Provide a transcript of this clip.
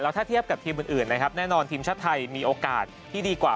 ถ้าเทียบกับทีมอื่นนะครับแน่นอนทีมชาติไทยมีโอกาสที่ดีกว่า